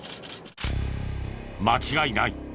間違いない。